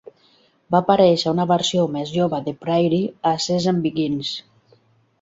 Va aparèixer una versió més jove de Prairie a "Sesame Beginnings".